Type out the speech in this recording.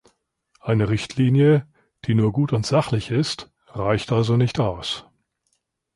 Eine Richtlinie, die nur gut und sachlich ist, reicht also nicht aus.